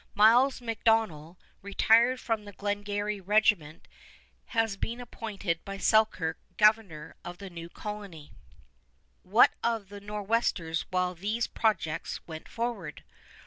Miles MacDonell, retired from the Glengarry Regiment, has been appointed by Selkirk governor of the new colony. [Illustration: SELKIRK] What of the Nor'westers while these projects went forward?